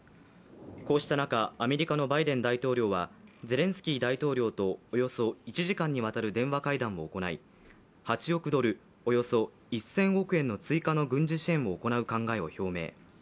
こうした中、アメリカのバイデン大統領はゼレンスキー大統領とおよそ１時間にわたる電話会談を行い８億ドル、およそ１０００億円の追加の軍事支援を行う考えを表明。